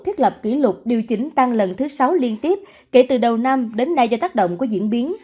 thiết lập kỷ lục điều chỉnh tăng lần thứ sáu liên tiếp kể từ đầu năm đến nay do tác động của diễn biến